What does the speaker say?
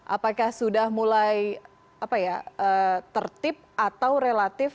apakah sudah mulai tertib atau relatif